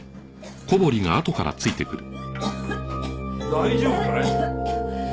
大丈夫かい？